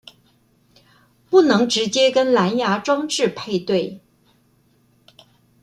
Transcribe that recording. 不能直接跟藍芽裝置配對